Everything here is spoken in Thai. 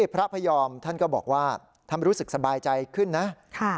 พระพยอมท่านก็บอกว่าท่านรู้สึกสบายใจขึ้นนะ